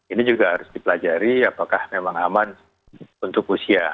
ini juga harus dipelajari apakah memang aman untuk usia